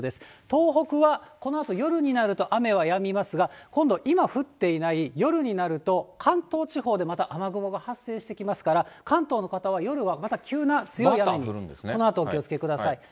東北はこのあと夜になると雨はやみますが、今度、今降っていない夜になると、関東地方でまた雨雲が発生してきますから、関東の方は、夜はまた急な強い雨にこのあと、お気をつけください。